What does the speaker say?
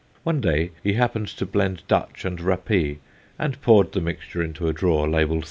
One day he happened to blend Dutch and rappee and poured the mixture into a drawer labelled 37.